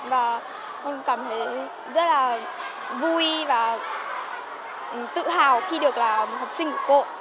và con cảm thấy rất là vui và tự hào khi được làm học sinh của cô